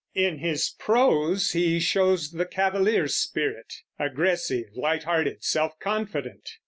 In his prose he shows the cavalier spirit, aggressive, light hearted, self confident.